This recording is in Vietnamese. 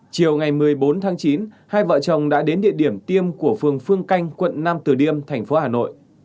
chiều ngày một mươi bốn tháng chín hai vợ chồng đã đến địa điểm tiêm của phường phương canh quận nam từ liêm thành phố hà nội